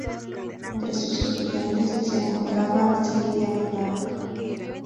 Entre sus estudiantes se encontraba Sylvia Plath.